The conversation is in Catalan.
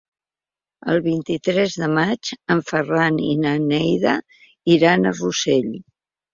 El vint-i-tres de maig en Ferran i na Neida iran a Rossell.